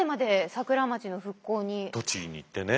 栃木に行ってね。